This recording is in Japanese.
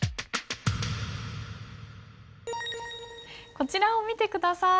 こちらを見て下さい。